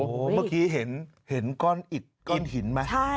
โอ้โหเมื่อกี้เห็นก้อนอิดก้อนหินไหม